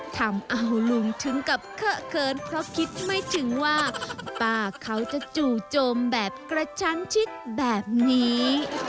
ทำเอาลุงถึงกับเคาะเขินเพราะคิดไม่ถึงว่าป้าเขาจะจู่โจมแบบกระชั้นชิดแบบนี้